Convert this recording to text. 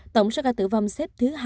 tổng số ca tử vong xếp thứ hai mươi bốn